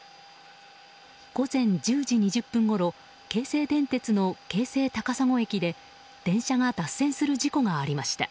午前１０時２０分ごろ京成電鉄の京成高砂駅で電車が脱線する事故がありました。